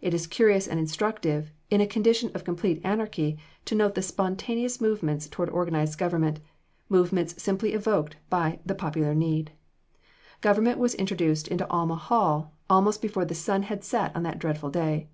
It is curious and instructive, in a condition of complete anarchy, to note the spontaneous movements towards organized government movements simply evoked by the popular need. Government was introduced into Alma Hall almost before the sun had set on that dreadful day.